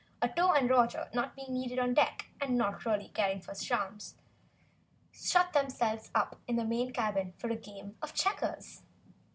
Ato and Roger, not being needed on deck and not caring for storms, shut themselves up in the main cabin for a game of checkers.